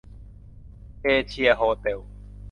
เอเชียโฮเต็ล